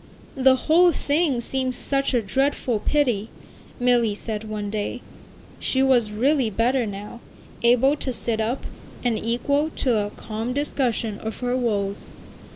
"The whole thing seems such a dreadful pity," Milly said one day. She was really better now, able to sit up, and equal to a calm discussion of her woes.